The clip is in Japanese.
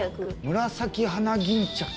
ムラサキハナギンチャク。